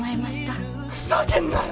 ふざけんなよ！